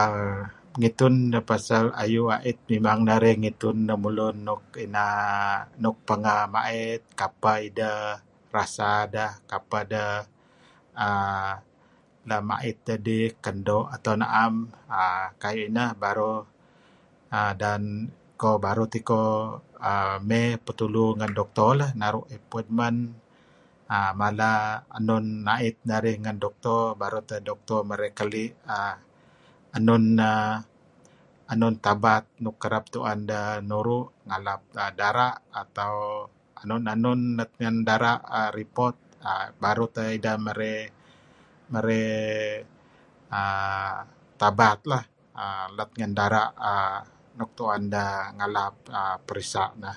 err ngitun deh pasal ayu' a'it memang narih ngitun lemulun luk inan err nuk pengeh ma'it kapeh ideh rasa deh, kapeh deh err lem ma'it dedih kan doo' atau na'em err kayu ineh baru teh tikoh err mey petulu ngen doktor lah naru' appointment err mala enun a'it narih ngan doktor baru teh doktor merey keli' err enun err tabat nuk kereb tu'en deh nuru' ngalap dara' atau enun-enun let ngen dara' repot err baru teh ideh merey merey err tabat lah err let ngan dara luk tu'en deh ngalap err perisa' neh.